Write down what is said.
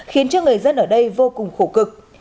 khiến cho người dân ở đây vô cùng khổ cực